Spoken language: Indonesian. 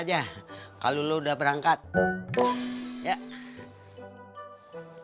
per passenger penggunny